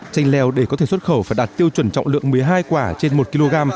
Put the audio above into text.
chanh leo để có thể xuất khẩu phải đạt tiêu chuẩn trọng lượng một mươi hai quả trên một kg